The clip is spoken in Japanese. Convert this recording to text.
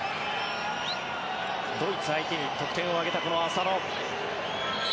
ドイツ相手に得点を挙げたこの浅野。